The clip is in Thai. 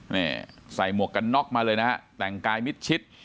นี่ใส่หมวกกันน็อกมาเลยนะฮะแต่งกายมิดชิด